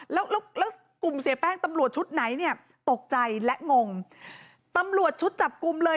แล้วแล้วกลุ่มเสียแป้งตำรวจชุดไหนเนี่ยตกใจและงงตำรวจชุดจับกลุ่มเลย